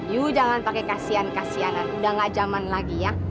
yuk jangan pakai kasihan kasihanan udah nggak zaman lagi ya